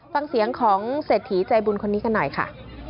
ฟังเสียงของเศรษฐีใจบุญคนนี้กันหน่อยค่ะ